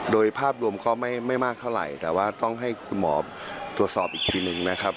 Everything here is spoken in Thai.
โดยภาพรวมก็ไม่มากเท่าไหร่แต่ว่าต้องให้คุณหมอตรวจสอบอีกทีนึงนะครับ